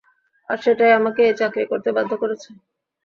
আর সেটাই আমাকে এই চাকরি করতে বাধ্য করেছে।